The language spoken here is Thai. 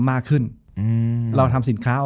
จบการโรงแรมจบการโรงแรม